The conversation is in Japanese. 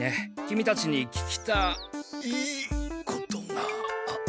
キミたちにききたいことが。